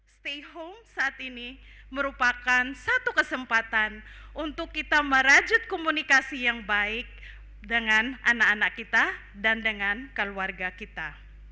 stay home saat ini merupakan satu kesempatan untuk kita merajut komunikasi yang baik dengan anak anak kita dan dengan keluarga kita